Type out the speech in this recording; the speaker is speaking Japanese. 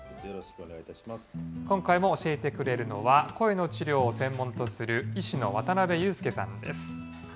今回も教えてくれるのは、声の治療を専門とする医師の渡邊雄介さんです。